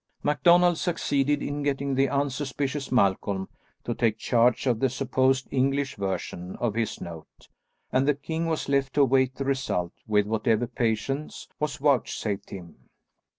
MacDonald succeeded in getting the unsuspicious Malcolm to take charge of the supposed English version of his note, and the king was left to await the result with whatever patience was vouchsafed him.